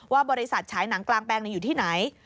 บริษัทฉายหนังกลางแปลงอยู่ที่ไหน